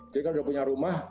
jadi kalau sudah punya rumah